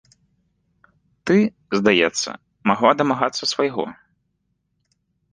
Ты, здаецца, магла дамагацца свайго.